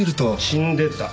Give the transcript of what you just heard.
死んでた。